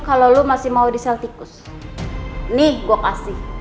kalau lo masih mau di sel tikus nih gue kasih